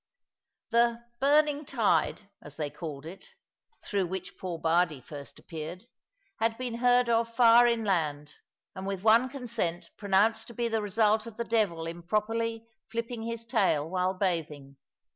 The "burning tide," as they called it (through which poor Bardie first appeared), had been heard of far inland, and with one consent pronounced to be the result of the devil improperly flipping his tail while bathing.